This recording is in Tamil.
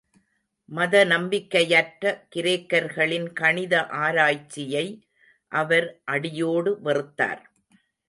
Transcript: மத நம்பிக்கையற்ற கிரேக்கர்களின் கணித ஆராய்ச்சியை அவர் அடியோடு வெறுத்தார்.